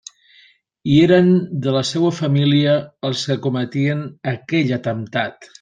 I eren de la seua família els que cometien aquell atemptat!